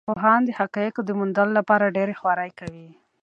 تاریخ پوهان د حقایقو د موندلو لپاره ډېرې خوارۍ کوي.